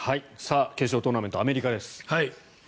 決勝トーナメントアメリカです。